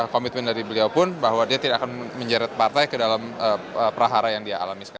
komitmen dari beliau pun bahwa dia tidak akan menjerat partai ke dalam prahara yang dia alami sekarang